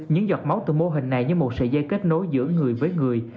những giọt máu từ mô hình này như một sợi dây kết nối giữa người với người